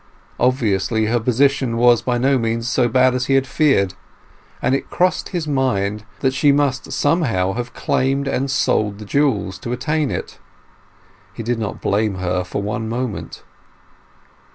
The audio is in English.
Obviously her position was by no means so bad as he had feared, and it crossed his mind that she must somehow have claimed and sold the jewels to attain it. He did not blame her for one moment.